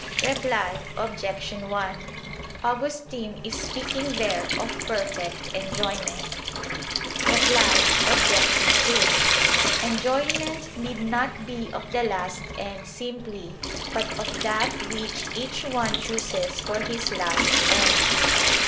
Reply Obj. 1: Augustine is speaking there of perfect enjoyment. Reply Obj. 2: Enjoyment need not be of the last end simply; but of that which each one chooses for his last end.